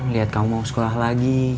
lihat kamu mau sekolah lagi